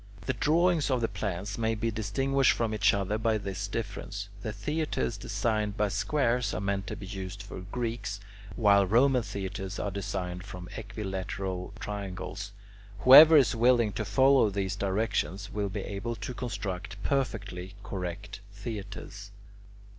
The drawings of the plans may be distinguished from each other by this difference, that theatres designed from squares are meant to be used by Greeks, while Roman theatres are designed from equilateral triangles. Whoever is willing to follow these directions will be able to construct perfectly correct theatres.